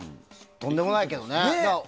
とんでもないけどね。